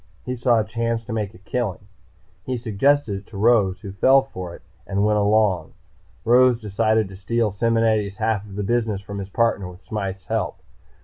He saw a chance to make a killing. He suggested it to Rose, who fell for it and went along. Rose decided to steal Simonetti's half of the business from his partner with Smythe's help.